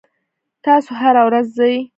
تاسو هره ورځ ځئ؟